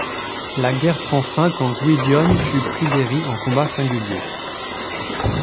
La guerre prend fin quand Gwydion tue Pryderi en combat singulier.